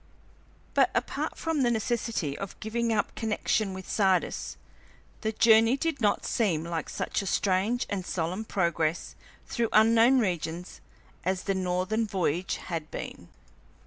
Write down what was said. But apart from the necessity of giving up connection with Sardis, the journey did not seem like such a strange and solemn progress through unknown regions as the northern voyage had been.